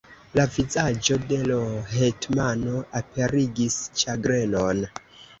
La vizaĝo de l' hetmano aperigis ĉagrenon.